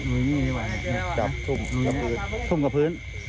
อื้อจับทุ่มทุ่มกับพื้น